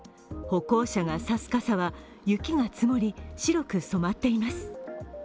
歩行者が差す傘は雪が積もり、白く染まっています。